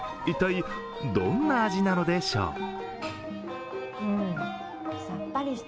一体、どんな味なのでしょう。